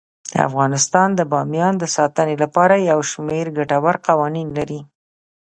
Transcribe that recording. افغانستان د بامیان د ساتنې لپاره یو شمیر ګټور قوانین لري.